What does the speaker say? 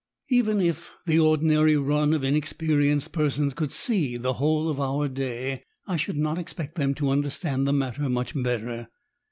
" Even if the ordinary run of inexperienced persons could see the whole of our day, I should not expect them to understand the matter much better.